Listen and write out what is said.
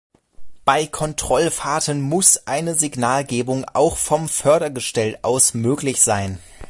Bei Kontrollfahrten muß eine Signalgebung auch vom Fördergestell aus möglich sein.